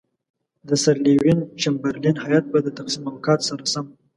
د سر لیوین چمبرلین هیات به د تقسیم اوقات سره سم.